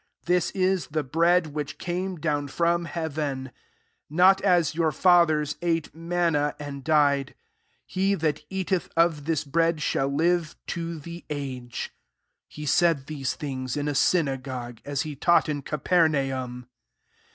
58 This is the bread which came down from heaven: not as [_your^ fathers ate mawuL and died. He that eateth of this bread, shall live to the ag^c.*' 59 He said these things, in a synagogue, as he taught in Ca pernaum.